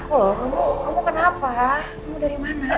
oh kamu kenapa kamu dari mana